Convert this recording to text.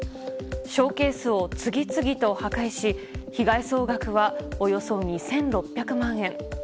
ショーケースを次々と破壊し被害総額はおよそ２６００万円。